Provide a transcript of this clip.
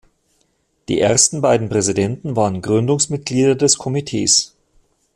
Die ersten beiden Präsidenten waren Gründungsmitglieder des Komitees.